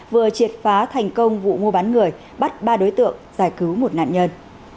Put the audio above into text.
vừa triệt phá thành công vụ mua bán người bắt ba đối tượng giải cứu một nạn nhân